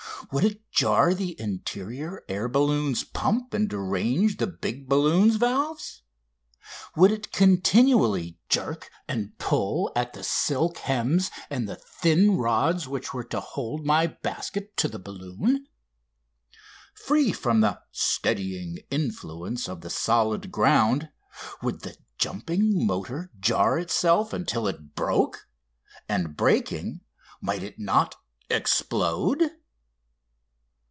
Would it jar the interior air balloon's pump and derange the big balloon's valves? Would it continually jerk and pull at the silk hems and the thin rods which were to hold my basket to the balloon? Free from the steadying influence of the solid ground, would the jumping motor jar itself until it broke? And, breaking, might it not explode?